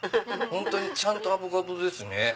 本当にちゃんとアボカドですね。